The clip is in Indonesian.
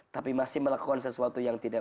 tapi masih melakukan sesuatu yang tidak